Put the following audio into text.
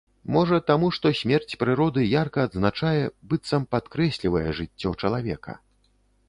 Можа, таму, што смерць прыроды ярка адзначае, быццам падкрэслівае жыццё чалавека?